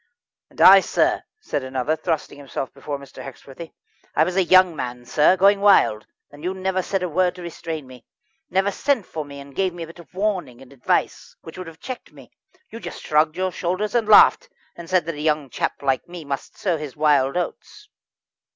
"And I, sir," said another, thrusting himself before Mr. Hexworthy "I was a young man, sir, going wild, and you never said a word to restrain me; never sent for me and gave me a bit of warning and advice which would have checked me. You just shrugged your shoulders and laughed, and said that a young chap like me must sow his wild oats."